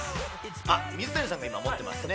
あっ、水谷さんも今持ってますね。